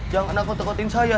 jangan peduli yang saya